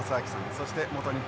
そして元日本代表